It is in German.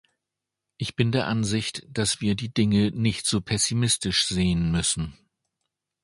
Ich bin der Ansicht, dass wir die Dinge nicht so pessimistisch sehen müssen.